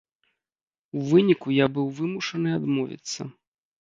У выніку я быў вымушаны адмовіцца.